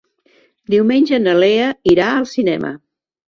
Diumenge na Lea irà al cinema.